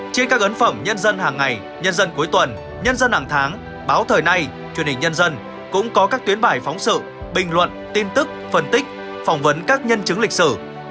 trên các ấn phẩm nhân dân hàng ngày nhân dân cuối tuần nhân dân hàng tháng báo thời nay truyền hình nhân dân cũng có các tuyến bài phóng sự bình luận tin tức phân tích phỏng vấn các nhân chứng lịch sử